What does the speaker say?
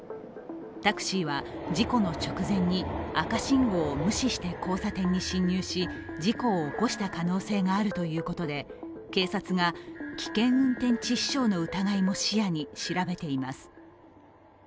タクシーは事故の直前に赤信号を無視して交差点に進入し事故を起こした可能性があるということで、警察が危険運転致死傷の疑いも視野に調べています。